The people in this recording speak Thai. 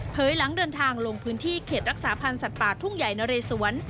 หลังเดินทางลงพื้นที่เขตรักษาพันธ์สัตว์ป่าทุ่งใหญ่นะเรสวน